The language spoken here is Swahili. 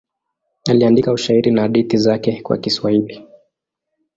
Aliandika ushairi na hadithi zake kwa Kiswahili.